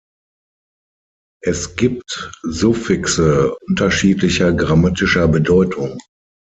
Es gibt Suffixe unterschiedlicher grammatischer Bedeutung.